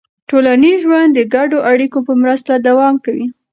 ټولنیز ژوند د ګډو اړیکو په مرسته دوام کوي.